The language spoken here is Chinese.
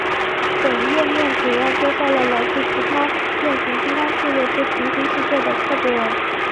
本页面主要介绍了来自于其他变形金刚系列之平行世界的柯博文。